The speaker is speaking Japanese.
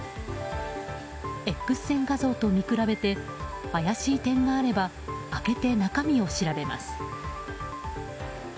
Ｘ線画像と見比べて怪しい点があれば開けて、中身を調べます。